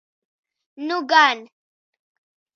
Nu gan!